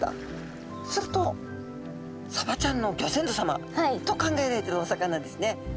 するとサバちゃんのギョ先祖さまと考えられてるお魚ですね。